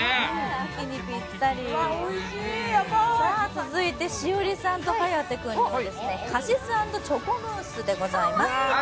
続いて栞里さんと颯君にはカシス＆チョコムースでございます。